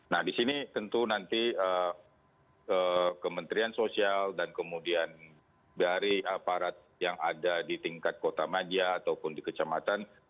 nah di sini tentu nanti kementerian sosial dan kemudian dari aparat yang ada di tingkat kota maja ataupun di kecamatan